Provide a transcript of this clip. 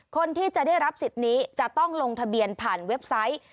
คนที่จะได้รับสิทธิ์นี้จะต้องลงทะเบียนผ่านเว็บไซต์